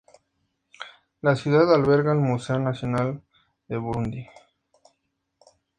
La ciudad alberga el Museo Nacional de Burundi.